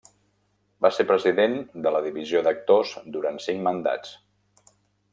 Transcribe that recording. Va ser President de la Divisió d'Actors durant cinc mandats.